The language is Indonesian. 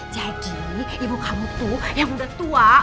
jadi ibu kamu tuh yang udah tua